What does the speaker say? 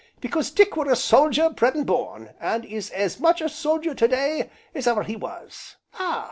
because Dick were a soldier bred and born, and is as much a soldier to day, as ever he was, ah!